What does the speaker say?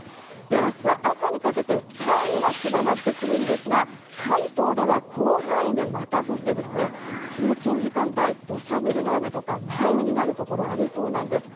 明日朝にかけて範囲は狭まってくるんですが関東では広範囲でまた降って通勤時間帯土砂降りの雨とか雷雨になるところがありそうなんです。